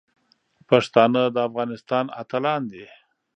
پښتانه د افغانستان اتلان دي.